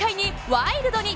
ワイルドに！